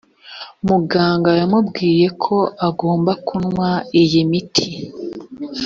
muganga yamubwiye ko agomba kunywa iyi imiti